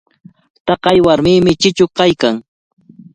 Taqay warmimi chichu kaykan.